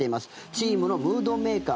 チームのムードメーカー